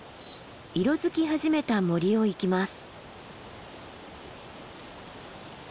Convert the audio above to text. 色づき始めた森を行きます。